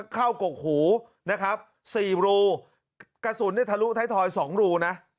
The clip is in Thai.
เข้ากกหู๔รูกระสุนทะลุท้ายทอย๒รู